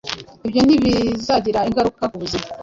Ibyo ntibizagira ingaruka kubuzima